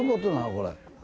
これ。